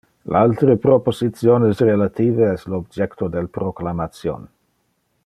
Le altere propositiones relative es le objecto del proclamation.